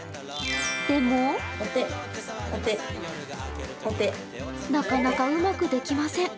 でもなかなかうまくできません。